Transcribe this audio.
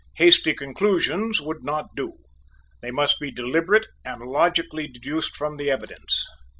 Hasty conclusions would not do. They must be deliberate and be logically deduced from the evidence.